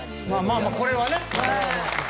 まあまあこれはね。